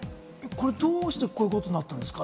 どうしてこういうことになったんですか？